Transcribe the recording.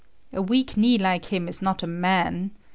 A weak knee like him is not a man.